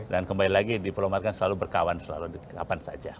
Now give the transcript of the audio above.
dan kembali lagi diplomat selalu berkawan selalu kapan saja